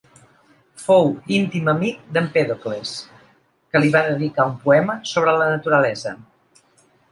Fou íntim amic d'Empèdocles que li va dedicar un poema sobre la naturalesa.